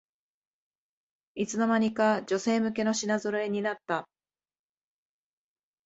いつの間にか女性向けの品ぞろえになった